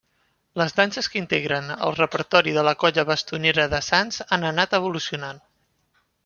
Les danses que integren el repertori de la Colla Bastonera de Sants han anat evolucionant.